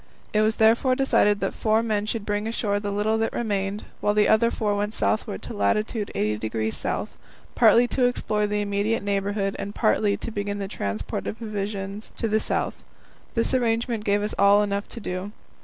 It was therefore decided that four men should bring ashore the little that remained, while the other four went southward to lat. 80° S., partly to explore the immediate neighbourhood, and partly to begin the transport of provisions to the south. This arrangement gave us all enough to do.